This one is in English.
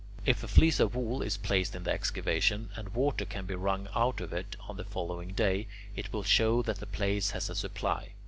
If a fleece of wool is placed in the excavation, and water can be wrung out of it on the following day, it will show that the place has a supply.